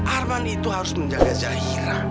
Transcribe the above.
arman itu harus menjaga zahira